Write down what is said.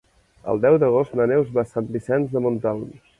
El deu d'agost na Neus va a Sant Vicenç de Montalt.